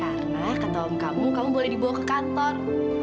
karena ketahuan kamu kamu boleh dibawa ke kantor